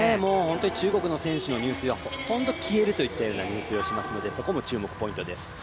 中国の選手の入水はほとんど消えるといった入水をしますのでそこも注目ポイントです。